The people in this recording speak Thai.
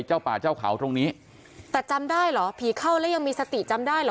เจ้าป่าเจ้าเขาตรงนี้แต่จำได้เหรอผีเข้าแล้วยังมีสติจำได้เหรอ